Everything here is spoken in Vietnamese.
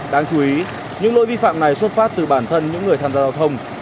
đáng chú ý những lỗi vi phạm này xuất phát từ bản thân những người tham gia giao thông